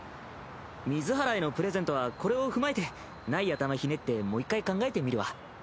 水原へのプレゼントはこれを踏まえてない頭ひねってもう一回考えてみるわ。